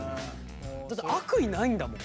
だって悪意ないんだもん。